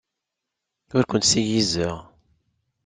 Ur kent-ssiggizeɣ.